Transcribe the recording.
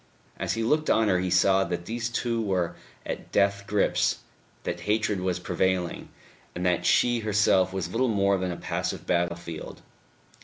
As he looked on her he saw that these two were at death grips, that hatred was prevailing, and that she herself was little more than a passive battlefield.